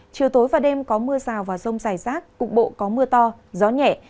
chiều tối và đêm có mưa rào và rông dài rác cục bộ có mưa to gió nhẹ